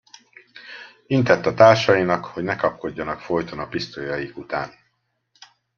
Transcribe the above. Intett a társainak, hogy ne kapkodjanak folyton a pisztolyaik után.